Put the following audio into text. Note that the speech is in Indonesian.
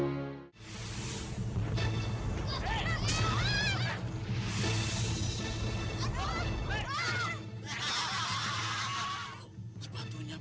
sampai jumpa di video selanjutnya